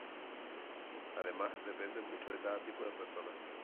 Además, depende mucho de cada tipo de persona.